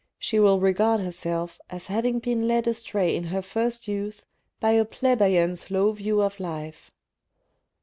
She will regard herself as having been led astray in her first youth by a plebeian's low view of life.